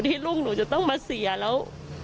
ที่ลูกหนูจะต้องมาเสียแล้ว